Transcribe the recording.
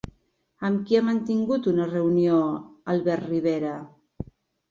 Amb qui ha mantingut una reunió Albert Ribera?